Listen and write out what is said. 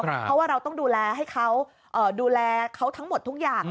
เพราะว่าเราต้องดูแลให้เขาดูแลเขาทั้งหมดทุกอย่าง